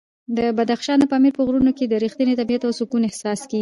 د بدخشان د پامیر په غرونو کې د رښتیني طبیعت او سکون احساس کېږي.